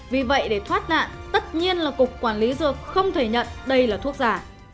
vì vậy để thoát nạn tất nhiên là cục quản lý dược không thể nhận đây là thuốc giả